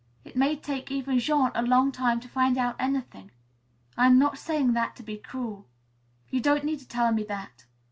It may take even Jean a long time to find out anything. I'm not saying that to be cruel." "You don't need to tell me that.